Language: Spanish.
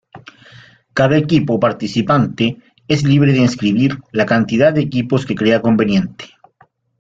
Cada equipo participante es libre de inscribir la cantidad de equipos que crea conveniente.